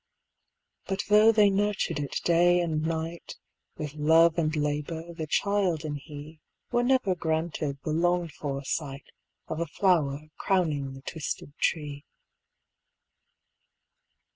But though they nurtured it day and night. With love and labour, the child and he Were never granted the longed for sight Of a flower crowning the twisted tree.